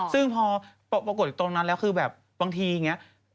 ซึ่งพอปรากฏอยู่ตรงนั้นแล้วคือแบบบางทีอย่างนี้